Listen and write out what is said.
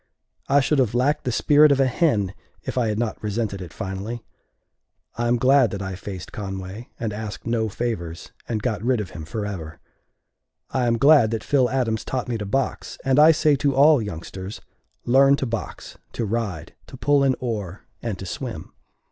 I should have lacked the spirit of a hen if I had not resented it finally. I am glad that I faced Conway, and asked no favors, and got rid of him forever. I am glad that Phil Adams taught me to box, and I say to all youngsters: Learn to box, to ride, to pull an oar, and to swim.